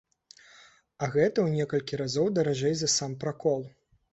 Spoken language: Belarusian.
А гэта у некалькі разоў даражэй за сам пракол.